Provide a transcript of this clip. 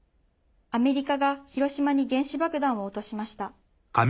「アメリカが広島に原子爆弾を落としました」。